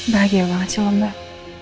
bahagia banget sih lo mbak